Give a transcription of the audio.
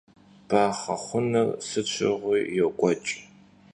Baxhe xhunır sıt şığui yok'ueç'.